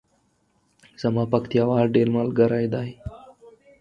زما پکتیاوال ډیر ملګری دی